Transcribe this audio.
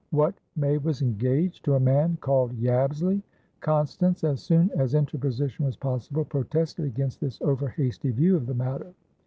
What, May was engaged? To a man called Yabsley? Constance, as soon as interposition was possible, protested against this over hasty view of the matter.